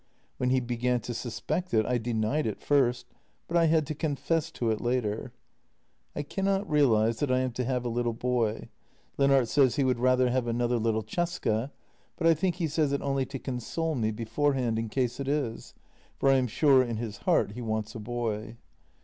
When he began to suspect it I denied it first, but I had to confess to it later. I cannot realize that I am to have a little boy — Lennart says he would rather have another JENNY ^73 little Cesca, but I think he says it only to console me before hand in case it is, for I am sure in his heart he wants a boy.